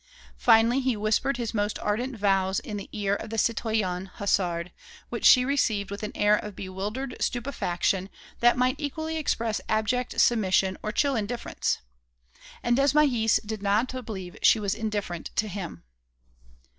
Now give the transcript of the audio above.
Finally, he whispered his most ardent vows in the ear of the citoyenne Hasard, which she received with an air of bewildered stupefaction that might equally express abject submission or chill indifference. And Desmahis did not believe she was indifferent to him.